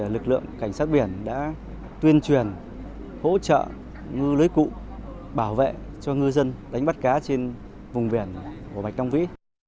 lực lượng cảnh sát biển đã tuyên truyền hỗ trợ ngư lưới cụ bảo vệ cho ngư dân đánh bắt cá trên vùng biển của bạch long vĩ